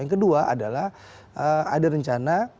yang kedua adalah ada rencana